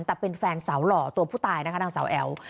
แต่เป็นแฟนสาวหล่อตัวผู้ตายนะคะนางสาวแอ๋ว